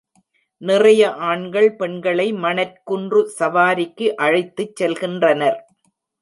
நிறைய ஆண்கள் பெண்களை மணற்குன்று சவாரிக்கு அழைத்துச் செல்கின்றனர்.